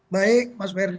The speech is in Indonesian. baik mas ferdi